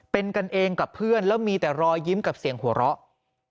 เป็นกันเองกับเพื่อนแล้วมีแต่รอยยิ้มกับเสียงหัวเราะ